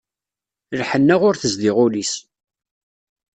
Lḥenna ur tezdiɣ ul-is.